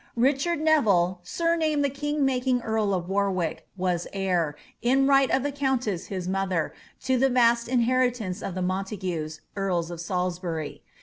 Richard Neville, sumamed the king making earl of Warwick, was heir, in right of the countess his mother, to the vast inheritance of the Montagues, earls of Salisbury.